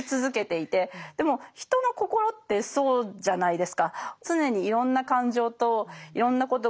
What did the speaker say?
でも人の心ってそうじゃないですか。